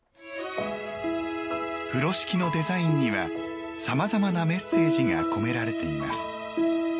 風呂敷のデザインには様々なメッセージが込められています。